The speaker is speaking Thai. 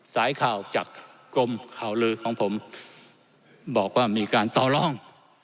สายข่าวจากกรมข่าวลือของผมบอกว่ามีการต่อลอง